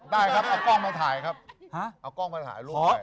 ได้ครับเอากล้องมาถ่ายครับเอากล้องมาถ่ายรูปด้วย